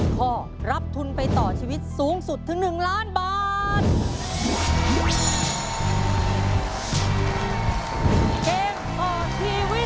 ข้อรับทุนไปต่อชีวิตสูงสุดถึง๑ล้านบาท